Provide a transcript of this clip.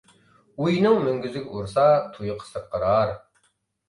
ئۇينىڭ مۈڭگۈزىگە ئۇرسا، تۇيىقى سىرقىرار.